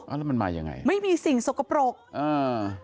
แล้วมันมายังไงไม่มีสิ่งสกปรกอ่า